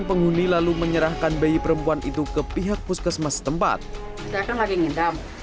penghuni lalu menyerahkan bayi perempuan itu ke pihak puskesmas tempat saya kan lagi ngendam